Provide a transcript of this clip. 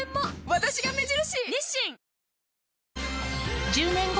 私が目印！